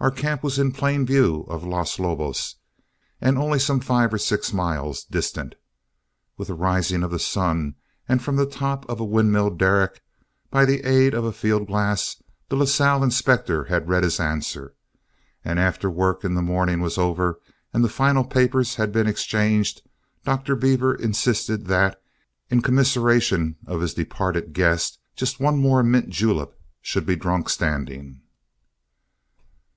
Our camp was in plain view of Los Lobos, and only some five or six miles distant. With the rising of the sun, and from the top of a windmill derrick, by the aid of a field glass, the Lasalle inspector had read his answer; and after the work in the morning was over, and the final papers had been exchanged, Dr. Beaver insisted that, in commiseration of his departed guest, just one more mint julep should be drunk standing.